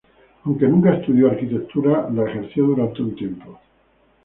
Aunque nunca estudió arquitectura la ejerció durante un tiempo.